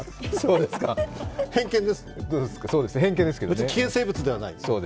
別に危険生物ではないです。